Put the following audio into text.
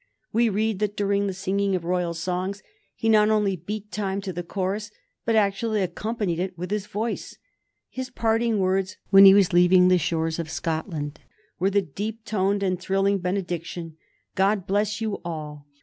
We read that during the singing of royal songs he not only beat time to the chorus, but actually accompanied it with his voice. His parting words when he was leaving the shores of Scotland were the deep toned and thrilling benediction, "God bless you all!"